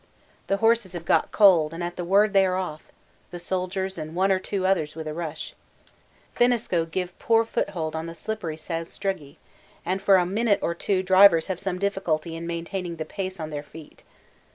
The horses have got cold and at the word they are off, the Soldier's and one or two others with a rush. Finnesko give poor foothold on the slippery sastrugi, and for a minute or two drivers have some difficulty in maintaining the pace on their feet.